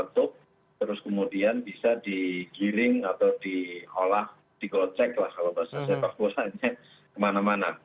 terus kemudian bisa dikiring atau diolah dikocek lah kalau bahasa saya bagus aja kemana mana